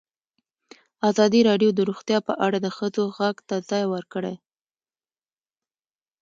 ازادي راډیو د روغتیا په اړه د ښځو غږ ته ځای ورکړی.